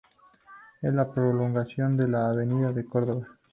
Es la prolongación de la avenida de Córdoba.